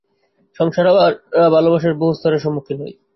সংসারে আমরা ভালবাসার বহু স্তরের সম্মুখীন হই।